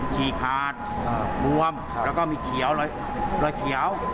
ฉี่ขาดบวมแล้วก็มีเขียวรอยเขียว